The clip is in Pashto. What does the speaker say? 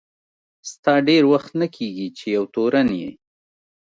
ستا ډېر وخت نه کیږي چي یو تورن یې.